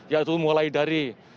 yaitu mulai dari